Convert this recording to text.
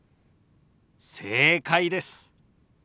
正解です。